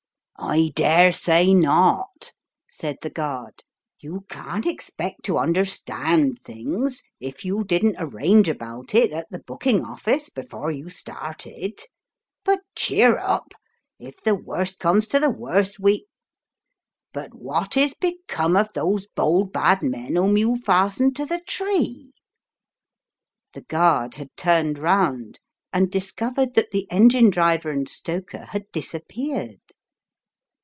"I daresay not," said the guard. "You can't expect to understand things if you didn't arrange about it at the booking office before you started. But cheer up. If the worst comes to the worst, we But what is become of those bold bad men whom you fastened to the tree ?" The express leaves its guard behind. 33 The guard had turned round and discovered that the engine driver and stoker had disappeared.